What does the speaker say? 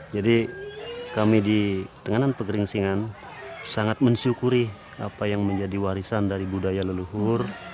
jadi kami di tenganan pegering singan sangat mensyukuri apa yang menjadi warisan dari budaya leluhur